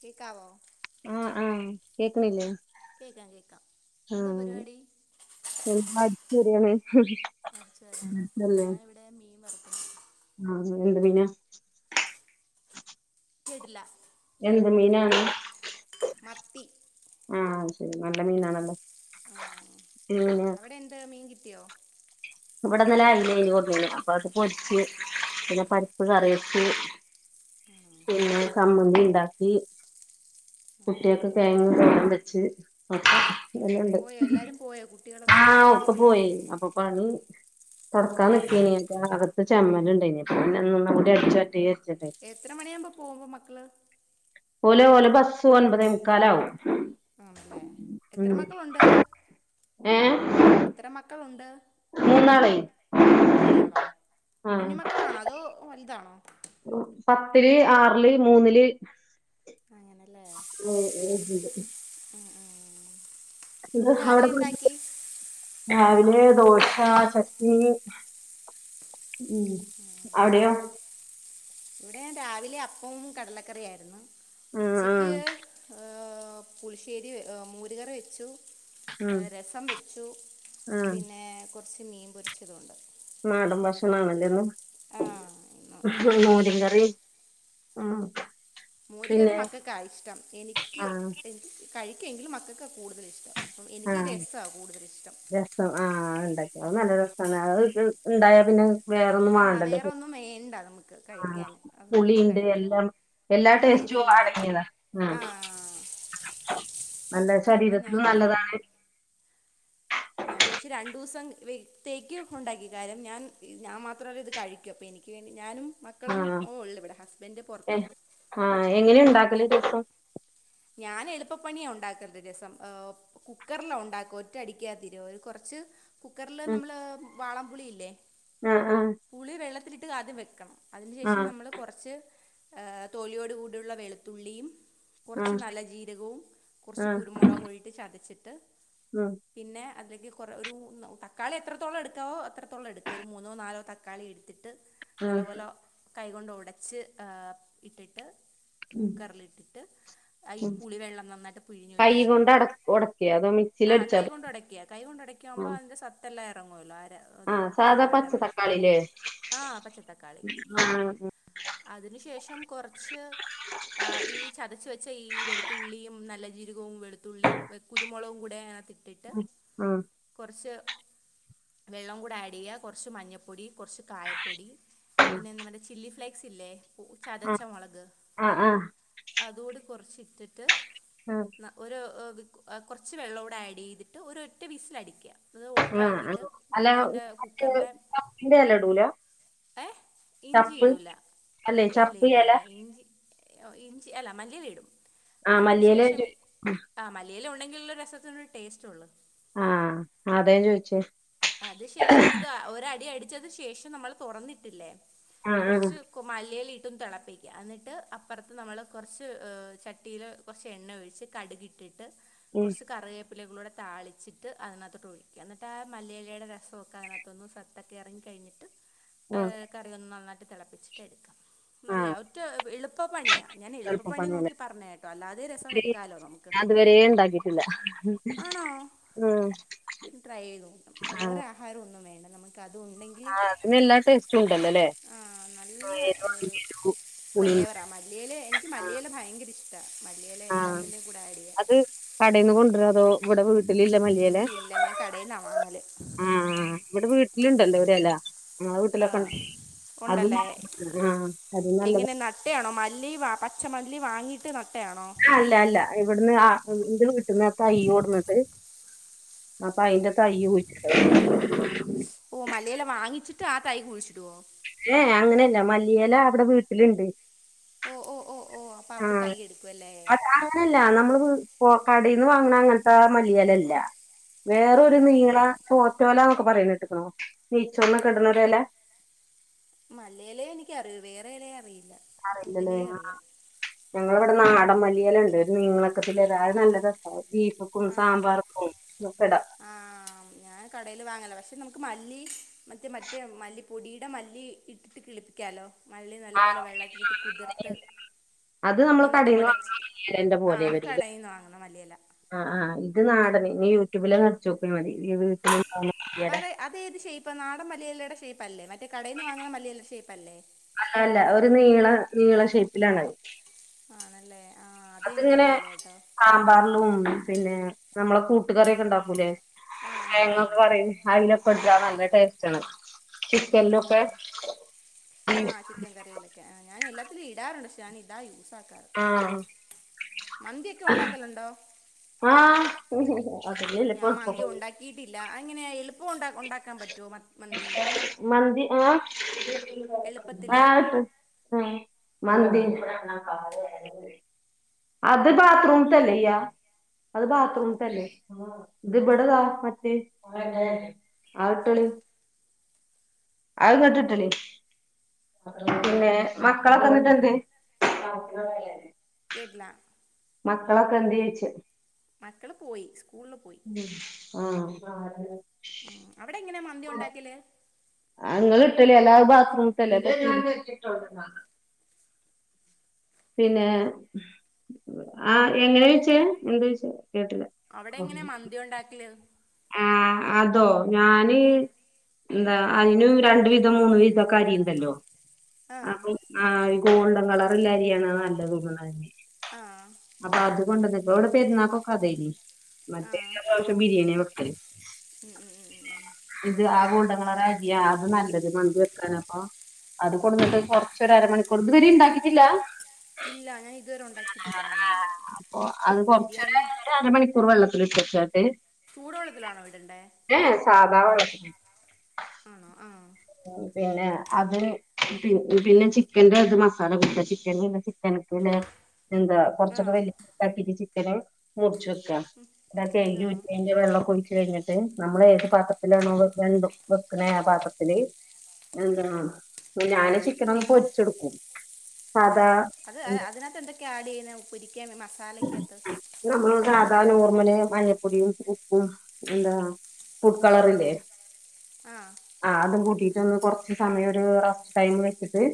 കേക്കാവോ ആഹ് ആഹ് കേക്ണില്ലേ കേക്കാ കേക്കാ എന്താ പരിപാടി ഇപ്പം അടിച്ചരാണ് അടിച്ചുവാരാണോ ഞാൻ ഇവിടെ മീൻ വറക്ക ആഹ് [unintelligible] പിന്നെ കേട്ടില്ല എന്ത് മീനാണ് മത്തി ആഹ് ശരി നല്ല മീനാണല്ലോ ആഹ് പിന്നെ അവിടെ എന്ത് മീൻ കിട്ടിയോ ഇവിടെന്നല അയില്ലേനി കൊടന്നിനെ അപ്പൊ അത് പൊരിച്ച് പിന്നെ പ പ്പ് കറിയ്ച്ചി പിന്നെചമ്മന്തിണ്ടാക്കി കുട്ടിയെക്ക് തേങ്ങ കറി ഒക്കെ വെച്ച് എല്ലുണ്ട് പോയോ എല്ലാരും പോയോ കു ആഹ് ഒക്കെ പോയി അപ്പൊ പണി തൊട്ക്കാ നിക്കേനി അകത്ത് ചമ്മലണ്ടേനി പിന്നെന്നുംകൂടി അടിച്ചു വാരട്ടെന്ന്ചാരിച്ചിട്ട് എത്ര മണിയവുമ്പോ പോവും മക്കള് ഓല് ഓലെ ബസ്സ് ഒൻപതെ മുക്കാലാവും ആണല്ലേ ഉം എത്ര മക്കളുണ്ട് ഏഹ് എത്ര മക്കളുണ്ട് മൂന്നാളെ മൂന്നാളോ കുഞ്ഞ് മക്കളാണോ അതോ വലുതാണോ പത്തില്ല് ആറില് മൂന്നില് പ്പങ്ങനെല്ലേ ഉം ഉം ഇത് ആടെ രാവിലെ കൊടുത്തിട്ട് എന്താക്കി രാവിലെ ദോശ ചട്ടിണി ഉം അവിടെയോ ഇവിടെ രാവിലെ അപ്പവും കടലക്കറിയായിരുന്നു ആഹ് ഉച്ചക്ക് ആഹ് ഹ് ഹ് പുളിശ്ശേരി മൂരുകറി വെച്ചു ഉം എഹ് രസം വെച്ചു ആഹ് പിന്നെ കുറച്ച് മീൻ പൊരിച്ചതൊണ്ട് നാടൻ ഭക്ഷണം ആണല്ലേ ഇന്ന് ആഹ് ഇന്ന് മോരും കറി ഉം മൂരി കറി പിന്നെ മക്കൾക്കാ ഇഷ്ടം എനിക്ക് ആഹ് എനിക്ക് കഴിക്കുമെങ്കിലും മക്കൾക്കാ കുടുതലും ഇഷ്ടം അഹ് എനിക്ക് ആഹ് രസാ കൂടുതൽ ഇഷ്ടം ഉം [unintelligible] ത് ഇണ്ടായ പിന്നെ വേറൊന്നും ആഹ് വേണ്ടല്ലോ വേറെൊന്നും വേണ്ട നമുക്ക് ആഹ് കഴിക്കന് അഹ് കൂട്ടി പുളിയുണ്ട് കഴിക്കാം എല്ലാം എല്ലാ ആഹ് ടേസ്റ്റും എരിവുണ്ട് അടങ്ങിയതാ ആഹ് നല്ല അത് കാരണം ഞാൻ ശരീരത്തിനും എനിക്ക് നല്ലതാണ് ഞാൻ വിചാച്ചി രണ്ടൂസം വത്തേക്ക് ഉണ്ടാക്കി കാര്യം ഞാൻ ഞാൻ മാത്രമല്ല ഇത് കഴിക്കൂ അപ്പൊ എനി ക്കേണ്ടി ഞാനും മക്കളും ആഹ് ഓഹ് ഉള്ള് ഇവിടെ ഹസ്ബന്റ് പുറത്താ ഏഹ് ആഹ് ഇങ്ങനെ ണ്ടാക്കൽ രസം ഞാന് എളുപ്പപ്പണിയാ ഉണ്ടാക്കൽ രസം ഏഹ് കുക്കറിലാ ഉണ്ടാക്കുവ ഒറ്റ അടിക്കാ തീരു കുറച്ച് കുക്കറില് ഉം നമ്മള് വാളംപൂളിയില്ലേ ആഹ് പുളി വെള്ളത്തിലിട്ട് ആദ്യം വെക്കണം അതിന് ശേഷം നമ്മൾ കുറച്ച് ഏഹ് തോലിയോട് കൂടിയുള്ള വെളുത്തുള്ളിയും കുറച്ച് ആഹ് നല്ല ജീരകവും കുറച്ച് ആഹ് ആഹ് കുരുമുളകും ആയിട്ടു ചതച്ചിട്ട് ഉം പിന്നെ അതിലേക്ക് കുറ ഒരു തക്കാളി എത്രത്തോളം എടുക്കാവോ എത്രത്തോളം എടുക്കും ഒരു മൂന്നോ നാലോ തക്കാളി എടുത്തിട്ട് ആഹ് നല്ലപോലെ കൈകൊണ്ട് ഉടച്ച് ഏഹ് ഇട്ടിട്ട് ഉം കുക്കറിലിട്ടിട്ട് ഉം അയീപുളി വെള്ളം നന്നായിട്ട് കൈ പിഴിഞ്ഞൊഴിച്ച് കൊണ്ട് അട ഒടക്കേ അതോ ആ മിക്സില് അടിച്ചാ കൈ കൊണ്ടു ഒടക്ക കൈ കൊണ്ട് ഒടക്ക്മ്പോ ആഹ് അത് സത്തെല്ലാം എറങ്ങുല്ലോ അതും ആഹ് സാധാ ഫുള്ളായിട്ട് പച്ച എറങ്ങും തക്കാളില്ലേ ആ പച്ചത്തക്കാളി ആഹ് അതിനു ശേഷം കൊർച്ച് ആ ഈ ചതച്ചു വെ ച്ചെ ഈ വെളുത്തുള്ളിയും നല്ല ജീരകവും വെളുത്തുള്ളി കുരുമൊളകും കൂടെ ക്കിട്ട് ഉം ഉം കൊറച്ച് വെള്ളവും കൂടി ആഡ് ചെയ്യ കൊറച്ച് മഞ്ഞപ്പൊടി കൊറച്ച് കായപ്പൊടി പിന്നെന്താ മറ്റെ ചില്ലി ഫ്ലേക്സ് ഇല്ലേ ചതച്ച ആഹ് മുളക് ആഹ് ആഹ് അതുകൂടി കൊറച്ച് ഇട്ടിട്ട് ആ ന്നാ ഒരു അ കൊറച്ച് വെള്ളവും കൂടെ ആഡ് ചെയ്തിട്ട് ഒരു ഒറ്റ വിസിൽ അടിക്ക അത് ഓഫ് ആഹ് ആക്കീട്ട് ആഹ് അല്ല അതിന്റെ മറ്റേ കുക്കറിന്റെ ചപ്പിന്റെ എല ഇടൂല ഏ ചപ്പ് ഇഞ്ചിയിടൂല അല്ലെ ഇല്ല ചപ്പ് ഇല്ല എല ഇല്ല ഇഞ്ചി ഇ ഒ ഇഞ്ചി അല്ല മല്ലിയല ഇടും ആഹ് അതിന് മല്ലിയെല ഞാൻ ശേഷം ആ മല്ലിയില ഉണ്ടെങ്കിലല്ലേ രസത്തിന് ഒരു ടേസ്റ്റ് ഉള്ളു ആ അതെ ചോയിച്ചേ അത് ശേഷം ഇത് ഒ അടി അടിച്ചതി ശേഷം നമ്മൾ തുറന്നിട്ടില്ലേ ആഹ് ആഹ് കുറച്ച് മല്ലിയിലയിട്ടും തിളപ്പിക്ക എന്നിട്ട് അപ്പറത്ത് നമ്മള് കൊറച്ച് ചട്ടിയില് കൊറച്ച് എണ്ണ ഒഴിച്ച് കടുക് ഇട്ടിട്ട് ഉം കൊറച്ച് കറിവേപ്പിലയും കൂടെ താളിച്ചിട്ട് അതിനകത്തോട്ട് ഒഴിക്ക എന്നിട്ട് മല്ലിയിലയുടെ രസഒക്കെ അതിനകത്തൊന്ന് സത്തെക്കെ എറങ്ങി കഴിഞ്ഞിട്ട് ങേ ആഹ് കറിയൊന്ന് നന്നായിട്ട് തെളപ്പിച്ചിട്ട് എടുക്ക ആഹ് നല്ലയാ ഒറ്റ എളുപ്പപ്പണിയാ ഞാൻ എളുപ്പപ്പണി എളുപ്പപ്പണിയല്ലേ നോക്കി പറഞ്ഞേട്ടോ അല്ലാതെ രസം വെക്കാലോ നമു ഞാൻ ഇതുവരെ ഉണ്ടാക്കിയിട്ടില്ല ആണോ ട്രൈ ചെയ്ത് നോക്കാം ആഹ് വേറെ ആഹാരം ഒന്നും വേണ്ട നമക്ക് അത് ഉണ്ടെ ങ്കിൽ ആഹ് അതിന് എല്ലാ ടേസ്റ്റും ഉണ്ടല്ലോല്ലേ ആ ആ നല്ല ഒരു എരുവാണെങ്കിലും പുളി ഫ്ലേവറാ മ മല്ലിയിലേം എനിക്ക് മല്ലിയല ഭയങ്കര ഇഷ്ടാ മല്ലിയല എല്ലാത്തിന്റെം കൂടെ ആഡ് ചെയ്യാൻ കടേന്ന് കൊണ്ട്വരോ അതോ ഇവിടെ വീട് വീട്ട്ലില്ല ഞാൻ കടേന്നാ വാങ്ങല് ഉം ഉം ഇവിടെ വീട്ടില്ണ്ടല്ലോ ഒര് എല ആ വീട്ടിലൊക്കെ ഉണ്ട് അത് ന ഉണ്ടല്ലേ ആ അത് നല്ലതാ എങ്ങനെ നട്ടയാണോ മല്ലി പച്ച മല്ലി വാങ്ങിയിട്ട് നട്ടയാണോ ആ അല്ല അല്ല ഇവിട്ന്ന് ആ ഇന്റെ വീട്ട്ന്ന് ആ തയ്യ് കൊട്ന്നിട്ട് അപ്പ അയിന്റെ തയ്യ് കുഴിച്ചിട്ട് ഓ മല്ലിയല വാങ്ങിച്ചിട്ട് ആ തൈ കുഴിച്ചിടോ ഏ എ അങ്ങനെയല്ല മല്ലിയല അവിടെ വീട്ടില്ണ്ട് ഓ ഓ ഓ ഓ അപ്പ അവിടെ തയ്യ് എടുക്കും അല്ലേ അങ്ങനല്ല നമ്മള് വി പൊ കടയീന്ന് വാങ്ങണ അങ്ങൻത്ത മല്ലിയലല്ല വേറൊരു അല്ല നീള പോറ്റോല എന്നൊക്കെ പറയിണേട്ട്ക്ക്ണോ നൈച്ചോറിനൊക്കെ ഇട്ണ ഒര് എല മല്ലിയലയെ എനിക്ക് അറിയൂ വേറെ എലയെ അറിയില്ല അറിയില്ല ലെ പുതിനയും ആഹ് അറിയാം ഞങ്ങള ഇവിടെ നാടൻ മല്ലിയല്ല ഉണ്ട് നീളക്കത്തില് എല അത് നല്ലതാ അത് ബീഫ്ക്കും ആണോ സാമ്പാറ്ക്കും ഒക്കെ ഇടാം ആഹ് ഞാൻ കടയില് വാങ്ങലാ പക്ഷേ നമുക്ക് മല്ലി മറ്റേ മറ്റേ മല്ലിപ്പൊടിയുടെ മല്ലി ഇട്ടിട്ട് കിളിപ്പിക്കാല്ലോ മല്ലി നല്ല ആ, പോലെ വെള്ളത്തിലിട്ട് കുതിർത്ത് അത് നമ്മള് നന്നായിട്ട് കടേന്ന് ഒടച്ച് വാങ്ങുന്ന മല്ലിയെലന്റെ ആ പോലെ അത് കട വരൂലേ യീന്ന് വാങ്ങുന്ന മല്ലിയല ആഹ് ആഹ് ഇത് നാടന് ഇനി യൂട്യൂബിലൊന്നടിച്ച് നോക്കിയാ മതി ഇനി വീട്ടില് അപ്പ അത് അത് ഏത് ഷേപ്പാ നാടൻ മല്ലിയലയുടെ ഷേപ്പല്ലേ മറ്റേ കടേന്ന് വാങ്ങുന്ന മല്ലിയലയുടെ ഷേപ്പല്ലേ അല്ല അല്ല ഒരു നീള നീള ഷേപ്പിലാണ് അത് ആണല്ലേ ആ അതെനിക്കറിയില്ലേ കേട്ടോ സാമ്പാറിലും ഉണ്ട് പിന്നെ നമ്മളെ കൂട്ടുകറിയൊക്കെ ഉണ്ടാക്കൂലേ ആഹ് തേങ്ങന്ന് ആഹ് പറ അതിലപ്പടുത്ത ആഹ് നല്ല ടേസ്റ്റ്ണ് ആഹ് ചിക്കനിലൊക്കെ ആണല്ലേ ആഹ് ചിക്കൻ കറിയിലൊക്കെ ആ ഞാൻ എല്ലാത്തിലും ഇടാറുണ്ട് പക്ഷെ ഞാൻ ഇതാ യൂസാക്കാറ് ആഹ് മന്തി ഒക്കെ ഉണ്ടാക്കലുണ്ടോ ആഹ [unintelligible] യിട്ടില്ല അതെങ്ങനെ എളുപ്പം ഉ ഉണ്ടാക്കാൻ പറ്റോമന്തി മന്തി ആ [unintelligible] എളുപ്പത്തില് ആഹ മന്തി അത് ബാത്റൂമത്തെല്ലേയ്യ അത് ബാത്റൂമത്തല്ലേ ഇതെവിടതാ മറ്റേ ആ വിട്ടോളീം അത് [unintelligible] പിന്നെ മക്കളൊക്കെന്നിട്ടെന്ത്യേ കേട്ടില്ല മക്കളൊക്കെ എന്തെഴ്ച്ചു മക്കള് പോയി സ്കൂളില് പോയി ആഹ ആഹ അവിടെ എങ്ങനെയാ മന്തി ഉണ്ടാക്കല് നിങ്ങൾ ഇട്ടലേ അല്ലാ ബാത്റൂമല്ല പിന്നെ ആ എങ്ങനെയാ വെച്ചെ എന്തുച്ചെ കേട്ടില്ല അവിടെ എങ്ങനെയാ മന്തി ഉണ്ടാക്കല് ആഹ് അതോ ഞാന് ഉം എന്താ അതിന് രണ്ടു വിധം മൂന്ന് വിധം ക അരിയുണ്ടല്ലോ അ ആഹ് ആഹ ഗോൾഡൻ കളർല്ല അരിയാണ് നല്ലത്തന്നെ ആഹ അപ്പൊ അതുകൊണ്ട് നിങ്ങവിടെ പെരുന്നാക്കൊക്കെ അതെന്നെ ആഹ് മറ്റേല്ലാ പ്രാവശ്യം ബിരിയാണിയ [inaudible] ഉം ഉം [inaudible] ഉം ഉം ഉം ഇത് ആ ഗൂണ്ടങ്ങളൊരാകിയ അത് നല്ലത് മന്തി വെക്കാന അപ്പൊ അത് കൊടുത്ത് കൊറച്ചു ഒരുരമണിക്കൂർ ഇതു വരെ ഉണ്ടാക്കീട്ടില്ല ഇല്ല ഞാൻ ഇതുവരെ ഉണ്ടാക്കിയിട്ടില്ല മന്തി അപ്പൊ അത് ബിരിയാണി കൊറച്ചൊരേ അരമണിക്കൂർ വെള്ളത്തിൽ ഇട്ടിട്ടോണ്ട് ചൂടുവെള്ളത്തിലാണോ ഇടണ്ടേ ഏ സാധാ വെള്ളം ആണോ ആഹ് പിന്നെ അത് പിന്നെ ചിക്കന്റെ അത് മസാല കൊടുക്ക ചിക്കൻല്ല ചിക്കനക്കല്ലേ എന്താ കൊറച്ചൊക്ക ആഹ് വലുതാക്കി വെച്ചിട്ട് ചിക്കന് മുറിച്ചൊക്കാ ഇതൊക്കെ കഴുകി ആഹ് വെച്ചെന്റെ വെള്ളം ഒക്കെ ഒഴിച്ചുകഴിഞ്ഞിട്ട് നമ്മൾഏത് പാത്രത്തിലാണോ ര ണ്ടും വെക്കുന്ന ആ പാത്ര എന്ത ഞാന് ചിക്കനൊക്കെപൊരിച്ചെടുക്കും ആഹ് അത് അതിനകത്ത് എന്തൊക്കെയ ആഡ് ചെയ്യുന്നെ പ്പൊരിക്ക മസാലക്കാത്ത് നമ്മള് സാധാരണ നോർമൽ മഞ്ഞപ്പൊടിയും ഉപ്പും എന്താ ഫുഡ് കളറില്ലേ ആഹ് ആഹ അതും കൂട്ടി ഒന്ന് കൊറച്ച് സമയം ഒരു റസ്റ്റ് ടൈം വെച്ചിട്ട്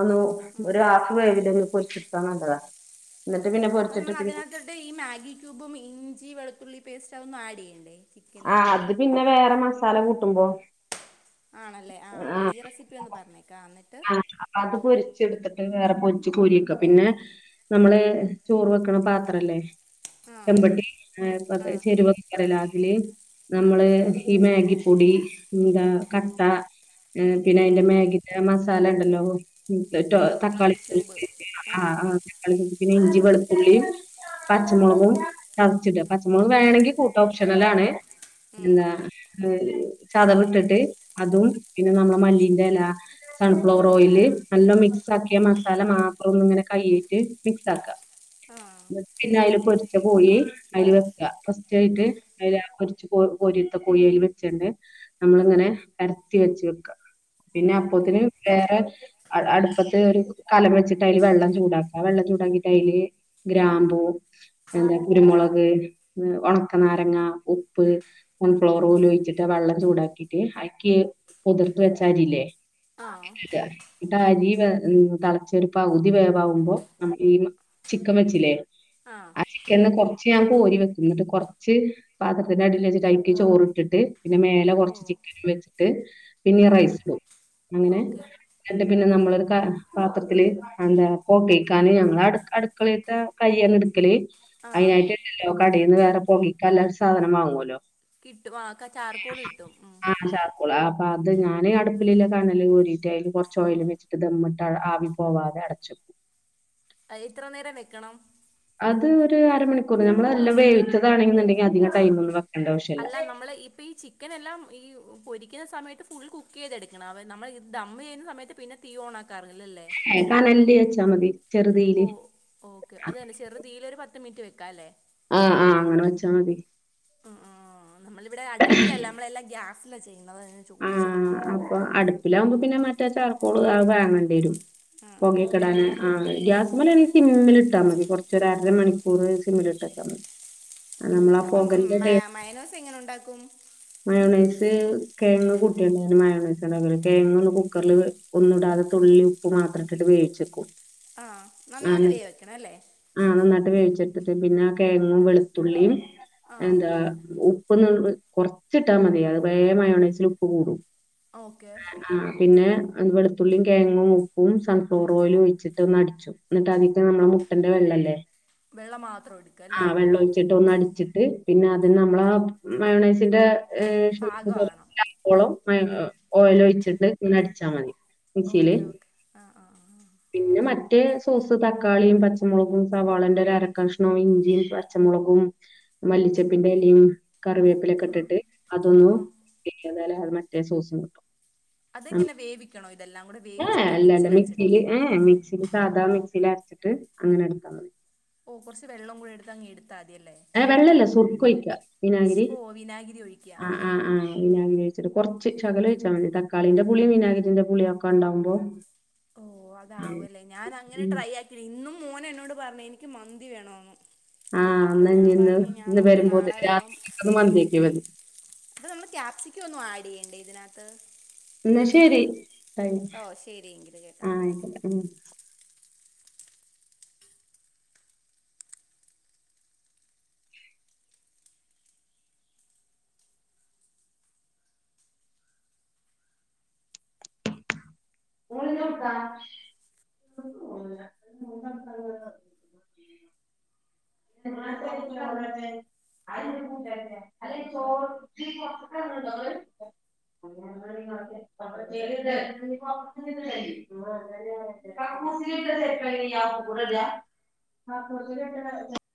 ഒന്ന് ആഹ് ഒരു ഹാഫ് വേവിലെ ഒന്ന് പൊരിച്ചെടുത്താ നല്ലതാ എന്നിട്ട് പിന്നെ അപ്പ പൊരിച്ചിട്ട് നമ്മൾ പിന്നെ അതിനകത്തട്ട് ഈ മാഗി ക്യൂബും ഇഞ്ചി വെളുത്തുള്ളി പേസ്റ്റ് അതെ ഒന്നും ആഡ് ചെയ്യണ്ടെ ആ അത് പിന്നെ വേറെ മസാല കൂട്ടുമ്പൊ ആണല്ലേ ആ അപ്പം ഈ റെസിപ്പി ഒന്ന് പറഞ്ഞേക്കാംന്നിട്ട് അപ്പ അത് പൊരിച്ചെടുത്തിട്ട് വേറെ പൊരിച്ച് കോരിവെക്ക പിന്നെ നമ്മള് ചോറ് വെക്കണ പാത്രല്ലേ ആ എമ്പട്ടി ആപ്പ ആ ചെരുവക്ക പറയില അതില് നമ്മള് ഈ മാഗിപ്പൊടി എന്താ കട്ട പിന്നെ അതിന്റെ ആ മാഗി ന്റെ മസാല ഉണ്ടല്ലോ ആ തക്കാളി മാഗി ക്യൂബ് ആ ആഹ് പിന്നെ ഇഞ്ചി വളത്തുള്ളി പച്ചമുളകും ചതച്ച ഇടുക. പച്ചമുളക് വേണെങ്കിൽ കൂട്ടം ഓപ്ഷണൽ ആണ് ഉം, എന്താ ചതവ് ഇട്ടിട്ട് അതും പിന്നെ നമ്മടെ മല്ലീന്റെ ഇല സൺഫ്ലവർ ഓയിയില് നല്ല മിക്സ് ആക്കിയ മസാല മാത്രം ഒന്ന് ഇങ്ങനെ കൈയിട്ടേ മിക്സ് ആക്കുക ആ പിന്നെ അതില് പൊരിച്ച കോഴി അതില് വെക്കുക ഫസ്റ്റ് ആയിട്ട് ഓക്കെ അ പൊരിച്ചേ കോരിയെടുത്ത കോയി വെച്ചണ്ട് നമ്മളിങ്ങനെ പരത്തി വെച്ച വെക്ക പിന്നെ ഓക്കെ അപ്പത്തിന് വേറെ അടുപ്പത്തെ ഒരു കലം വെച്ചിട്ട് അല് വെള്ളം ചൂടാക്കുക വെള്ളം ചൂടാക്കിട്ട അല് ഗ്രാമ്പൂ എന്താ കുരുമുളക് ഉണക്കനാരങ്ങ ഉപ്പ് സൺഫ്ലവർ ഓയിൽ ഒഴിച്ചിട്ട് ആ വെള്ളം ചൂടാക്കിട്ട് ആക്കി കുതിർത്തു വെച്ച അരിയില്ലേ ആ ഇട്ടിട്ട് അരി തളച്ചെരുപ്പ പകുതി വേവാകുമ്പോ നമ്മ ഈ ചിക്കൻ വെച്ചില്ലേ ആ ചിക്കൻന്ന് കൊറച്ച് ഞാൻ കോരി വെക്കും എന്നിട്ട് കൊറച്ച് പാത്രത്തിന്റെ അടിൽ വെച്ചിട്ട്ആയിലേക് കൊറച് ചോറിട്ടിട്ട് പിന്നെ മേലെ ഓ കുറച്ച് ചിക്കൻ വെച്ചിട്ട് പിന്നെ ഈ ആ ആ റൈസ് ഇടും അങ്ങനെ ഓക്കെ എന്നട്ട് പിന്നെ നമ്മളരു പാത്രത്തില് എന്താ പോ കേക്കാന് ഞങ്ങൾ അഡ് അഡ് മക്കളിയത്ത കയ്യന്ന എടുക്കല് ആ അതിനായിട്ട്ല്ലല്ലോ കടയിൽ നിന്ന് വേറെ പുകിക്കാല്ലും സാധനം വാങ്ങുവല്ലോ കിട്ടും ആക്ക ചാർക്കോൾ കിട്ടും ഉം കൊള അപ്പൊ അത് ഞാനേ അടു ഇല്ല ഇല്ലാ കണല് കൂരിയിട്ട് അതില് കുറച്ച് ഓയിൽ വെച്ചിട്ട് ദം ഇട്ട് ആവി പോവാതെ അടച്ചു അയ് എത്ര നേരം വെക്കണം അത് ഒരു അരമണിക്കൂർ ഞമ്മളെല്ലാം വേവിച്ചതാണെങ്കുണ്ടെങ്കിൽ അധിക ടൈം ഒന്ന് വ അല്ല നമ്മള് ഇപ്പ ഈ ചി ചിക്കൻെല്ലാം ഈ പൊരിക്കുന്ന സമയത്ത് ഫുൾ കുക്ക് ചെയ്തെടുക്കണം അവ നമ്മൾ ഇത് ദമ്മ ചെയ്യുന്ന സമയത്ത് പിന്നെ തീ ഓണക്കി [unintelligible] കനലിൽ ച്ചാൽ മതി ഓ ചെറുതീയില് ഓക്കെ അത് തന്നെ ചെറുതീൽ ഒരു പത്ത് മിനിറ്റ് വെക്കാം അല്ലേ ആഹ് ആഹ് അങ്ങനെ വെച്ചാൽ മതി ആ ആ നമ്മളിവിടെ അടുപ്പിലല്ല നമ്മള എല്ലാം ഗ്യാസിലാ ചെയ്യുന്നത് അത് ആഹ് അപ്പൊ അടുപ്പിലാവകുമ്പോ പിന്നെ മറ്റേ ചാർക്കോൾ വാങ്ങേണ്ടി വരും ഉം ഉം ഉം പൊകക്കെടൻ ആ ആഹ് ഗ്യാസമല സിമ്മിൽട്ടാൽ മതി കൊറച്ചൊര മണിക്കൂർ സിമ്മിലിട്ടച്ചാൽ മതി നമ്മളാ പൊകന്റെ ടെ മൈനോസ് എങ്ങനെ ഉണ്ടാക്കും? മയോണൈസ് കിഴങ്ങ് കുട്ടിയുണ്ടായിരുന്നു മയോണൈസിന്റെല് കിഴങ്ങ ഒന്ന് കുക്കറിൽ വേ ഒന്നും ഇടാതെ തുള്ളി ഉപ്പ് മാത്ര ഇട്ട് വേവിച്ചെക്കും ആഹ നന്നായിട്ട് വെവിക്കണ അല്ലേ? ആഹ് നന്നായിട്ട് വേവിച്ചിട്ടിട്ട് പിന്നെ കിഴങ്ങും വെളുത്തുള്ളിയും ആഹ് എന്താ ഉപ്പ് കൊറച്ചിട്ടാ മതി അതമായോണസിൽ ഉപ്പ് കൂടും ഓക്കെ ആഹ് ആഹ് പിന്നെത് വെളുത്തുള്ളിയും കിഴങ്ങും ഉപ്പും സൺഫ്ലോർ ഓയിയിലും ഒഴിച്ചിട്ട് ഒന്ന് അടിച്ചു എന്നിട്ടതിക്ക് നമ്മുടെ മുട്ടന്റെ വെള്ളല്ലേ വെള്ളം മാത്രം എടുക്കല്ലേ ആഹ് വെള്ളം ഒഴിച്ചിട്ട് ഒന്ന് അടിച്ചി ട്ട് പിന്നെ അത് നമ്മള മയണേസിന്റെ ഷേപ് പാകമാകണം [unintelligible] ഓളം ഓയല് ഒഴിച്ചിട്ട് ഇങ്ങനെ അടിച്ചാ മതി മിക്സിയില്. ഓക്കേ ഓക്കേ ആഹ് ആഹ് ആഹ് പിന്നെ മറ്റേ സോസ് തക്കാളിയും പച്ചമുളകും സവാളന്റെ ഒരു അരക്കഷ്ണവും ഇഞ്ചിയും പച്ചമുളകും മല്ലിച്ചപ്പിന്റെ ഇലയും കറിവേപ്പിലൊക്കെ ഇട്ടിട്ട് ആഹ് അതൊന്നും ആ അത് മറ്റേ സോസും കിട്ടും അതെങ്ങനെ വേവിക്കണോ ഇതെല്ലാം കൂടെ ഏഹ് വേവിച്ചിട്ട് അല്ല അല്ല മിക്സിയിൽ അടിച്ചെടുക്കും മിക്സില് ഏഹ് മിക്സില് സാധാ മിക്സിലരച്ചിട്ട് അങ്ങനെ എടുക്കാത്താ മതി ഓഹ് കൊറച്ച് വെള്ളം കൂടി എടുത്ത് അങ്ങ് എടുത്താതിയല്ലേ ഏഹ് വെള്ളല്ല സുർക്കൊഴിക്കാ വിനാഗിരി ഓ വിനാഗിരി ഒഴിക്കുക ആ ആഹ് ആ ആഹ് ആ ആ ആഹ് വിനാഗിരി ഒഴിച്ചിട്ട്‌ കൊർച്ച് ശകലൊഴിച്ചാ മതി തക്കാളിന്റെ പുളിയും വിനാഗിരിന്റെ പുളിയും ഒക്കെണ്ടാവുമ്പോ ഓഹ് അതാവും അല്ലേ ഞാൻ അങ്ങനെ ഉം. ട്രൈ ആക്കി [unintelligible] ഇന്നും മോനെന്നോട് പറഞ്ഞ് എനിക്ക് മന്തി വേണോന്ന് ആഹ് എന്നാ ഇ ഇന്ന് ഇന്ന് വരുമ്പോത് രാത്രി [unintelligible] മന്തിയേക്കാ വരണ് അപ്പ നമ്മള് ക്യാപ്സിക്കം ഒന്നും ആഡ് ചെയ്യണ്ടേ ഇതിനത്ത് എന്നാ ശെരി ആയി ഓ ശരിയെങ്കിൽ കേട്ടോ ആഹ് ഉം ങ്ങളിഞ്ഞി എവിടുക പൊറുത്തക്ക് ഏറങ്ങണ്ടോ ങ്ങൾ പൊറത്തിരുന്ന് കരയും കക്കൂസിലിട്ട ചെറുപ്പന്നെ അവുതുക്കും ഇട